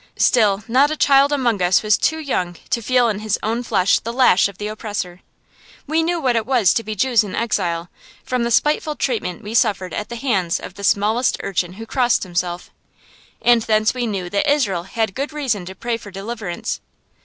Still not a child among us was too young to feel in his own flesh the lash of the oppressor. We knew what it was to be Jews in exile, from the spiteful treatment we suffered at the hands of the smallest urchin who crossed himself; and thence we knew that Israel had good reason to pray for deliverance.